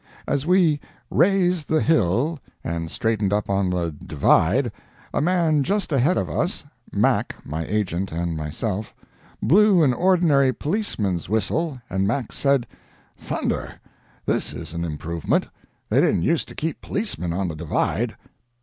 As we "raised the hill" and straightened up on the "Divide," a man just ahead of us (Mac, my agent, and myself), blew an ordinary policemen's whistle, and Mac said, "Thunder! this is an improvement—they didn't use to keep policemen on the Divide."